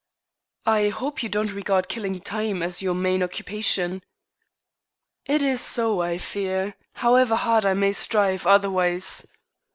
"I hope you do not regard killing time as your main occupation?" "It is so, I fear, however hard I may strive otherwise."